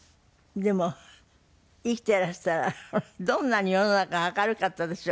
でも生きていらしたらどんなに世の中が明るかったでしょうね。